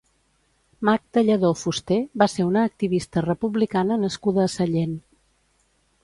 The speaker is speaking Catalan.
Magda Lladó Fuster va ser una activista republicana nascuda a Sallent.